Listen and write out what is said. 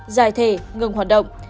giải thể ngừng hoạt động